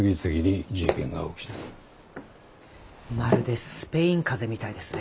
まるでスペイン風邪みたいですね。